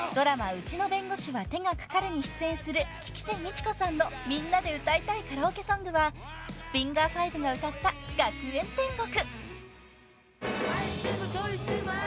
『うちの弁護士は手がかかる』に出演する吉瀬美智子さんの「みんなで歌いたいカラオケ曲」はフィンガー５が歌った『学園天国』］